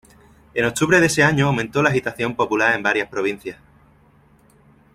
En octubre de ese año aumentó la agitación popular en varias provincias.